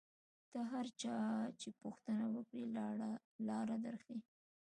له هر چا چې پوښتنه وکړې لاره در ښیي.